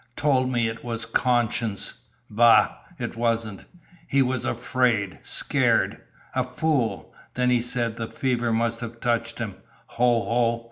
Told me it was conscience. Bah! it wasn't. He was afraid. Scared. A fool. Then he said the fever must have touched him. Ho, ho!